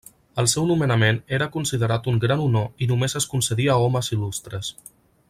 El seu nomenament era considerat un gran honor i només es concedia a homes il·lustres.